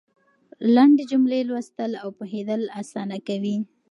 لنډې جملې لوستل او پوهېدل اسانه کوي.